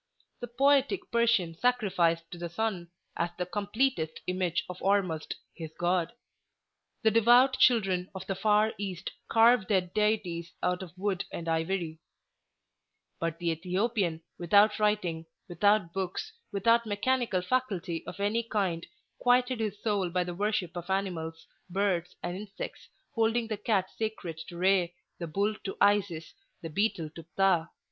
The Poetic Persian sacrificed to the sun, as the completest image of Ormuzd, his God; the devout children of the far East carved their deities out of wood and ivory; but the Ethiopian, without writing, without books, without mechanical faculty of any kind, quieted his soul by the worship of animals, birds, and insects, holding the cat sacred to Re, the bull to Isis, the beetle to Pthah.